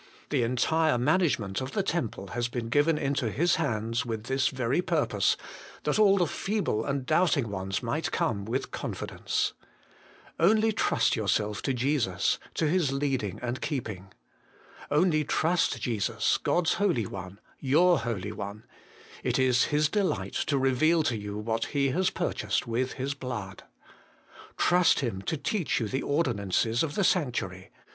The entire management of the Temple has been given into His hands with this very purpose, that all the feeble and doubting ones might ' come with confidence. Only trust yourself to Jesus, to His leading and keeping. Only trust Jesus, God's Holy One, your Holy One ; it is His delight to reveal to you what He has purchased with His blood. Trust Him to teach you the ordinances of the sanctuary.